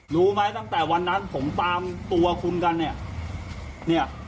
รู้ไหมตั้งแต่วันนั้นผมตามตัวคุณกันเนี่ย